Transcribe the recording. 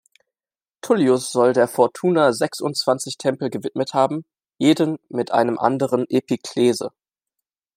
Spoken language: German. Tullius soll der Fortuna sechsundzwanzig Tempel gewidmet haben, jeden mit einer anderen Epiklese.